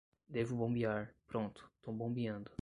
Devo bombear. Pronto, tô bombeando